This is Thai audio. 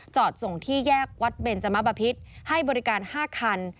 ส่งที่แยกวัดเบนจมบพิษให้บริการ๕คัน